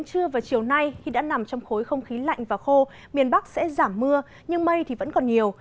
trưa và chiều nay khi đã nằm trong khối không khí lạnh và khô miền bắc sẽ giảm mưa nhưng mây thì vẫn còn nhiều